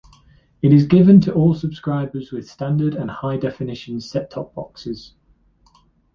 It is given to all subscribers with standard and high definition set-top boxes.